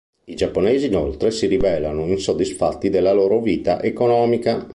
I giapponesi, inoltre, si rivelano insoddisfatti della loro vita economica.